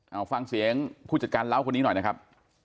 เอาฟังเสียงผู้จัดการเล้าคนนี้หน่อยนะครับ